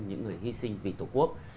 vì sinh vì tổ quốc